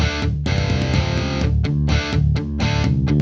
aku mau ke sana